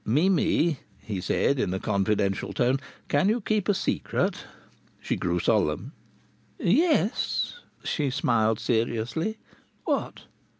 "Mimi," he said, in a confidential tone, "can you keep a secret?" She grew solemn. "Yes." She smiled seriously. "What?"